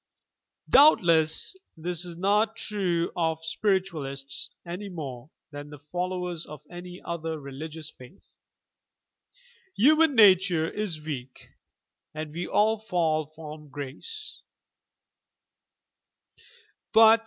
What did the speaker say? Doubtless this is not true of spiritualists any more than the followers of any other religious faith. Human nature is weak, and we all fall from grace.